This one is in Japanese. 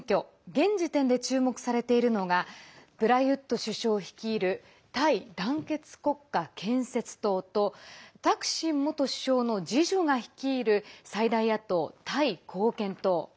現時点で注目されているのがプラユット首相率いるタイ団結国家建設党とタクシン元首相の次女が率いる最大野党・タイ貢献党。